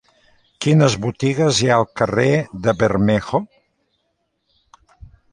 Quines botigues hi ha al carrer de Bermejo?